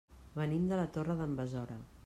Venim de la Torre d'en Besora.